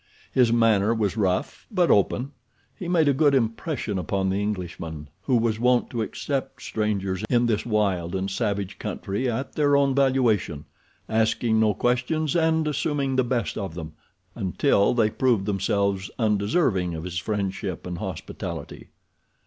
His manner was rough but open. He made a good impression upon the Englishman, who was wont to accept strangers in this wild and savage country at their own valuation, asking no questions and assuming the best of them until they proved themselves undeserving of his friendship and hospitality.